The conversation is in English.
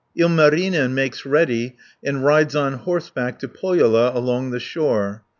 Ilmarinen makes ready, and rides on horseback to Pohjola along the shore (267 470).